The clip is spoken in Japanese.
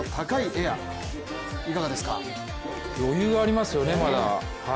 余裕がありますよね、まだ。